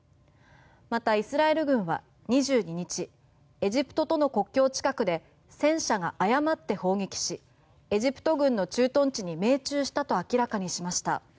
また、イスラエル軍は２２日エジプトとの国境近くで戦車が誤って砲撃しエジプト軍の駐屯地に命中したと明らかにしました。